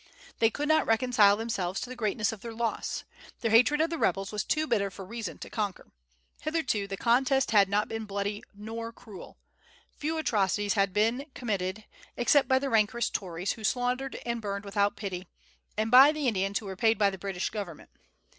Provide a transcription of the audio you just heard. They could not reconcile themselves to the greatness of their loss. Their hatred of the rebels was too bitter for reason to conquer. Hitherto the contest had not been bloody nor cruel. Few atrocities had been committed, except by the rancorous Tories, who slaughtered and burned without pity, and by the Indians who were paid by the British government.